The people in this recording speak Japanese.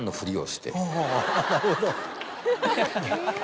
なるほど。